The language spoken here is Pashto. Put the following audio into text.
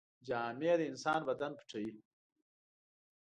جامې د انسان بدن پټوي.